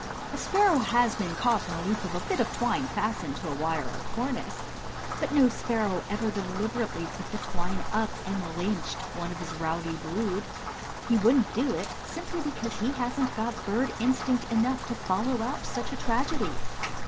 A sparrow has been caught in the loop of a bit of twine fastened to a wire or a cornice; but no sparrow ever deliberately put the twine up and lynched one of his rowdy brood. He wouldn't do it simply because he hasn't got bird instinct enough to follow out such a tragedy.